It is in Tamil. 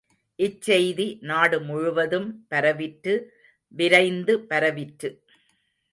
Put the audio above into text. இச் செய்தி நாடு முழுவதும் பரவிற்று விரைந்து பரவிற்று.